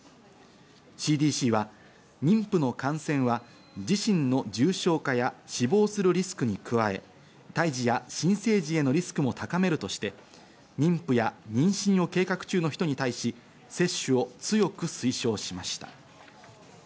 ＣＤＣは、妊婦の感染は自身の重症化や死亡するリスクに加え、胎児や新生児へのリスクも高めるとして、妊婦や妊娠を計画中の人に対し接種を強く推奨しました。